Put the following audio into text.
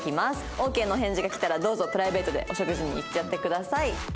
オーケーのお返事が来たらどうぞプライベートでお食事に行っちゃってください。